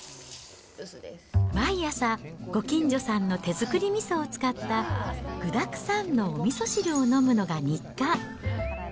毎朝、ご近所さんの手作りみそを使った具だくさんのおみそ汁を飲むのが日課。